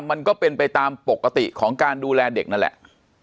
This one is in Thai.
มันก็เป็นไปตามปกติของการดูแลเด็กนั่นแหละ